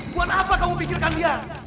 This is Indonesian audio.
bukan apa kamu pikirkan dia